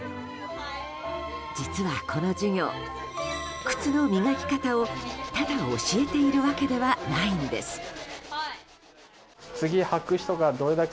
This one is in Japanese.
実はこの授業、靴の磨き方をただ教えているわけではないんです。